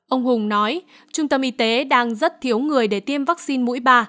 ông hùng nói trung tâm y tế đang rất thiếu người để tiêm vaccine mũi ba